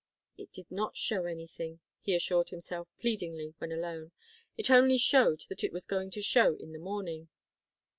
"It did not show anything," he assured himself, pleadingly, when alone. "It only showed that it was going to show in the morning.